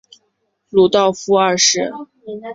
鲁道夫二世。